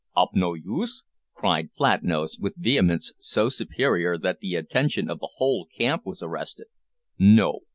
"Ob no use?" cried Flatnose, with vehemence so superior that the attention of the whole camp was arrested. "No!"